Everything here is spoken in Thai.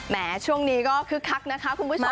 แม้ช่วงนี้ก็คึกคักนะคะคุณผู้ชม